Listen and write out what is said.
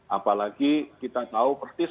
apalagi kita tahu persis